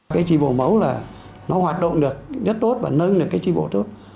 cái tri bộ mẫu là nó hoạt động được rất tốt và nâng được cái tri bộ tốt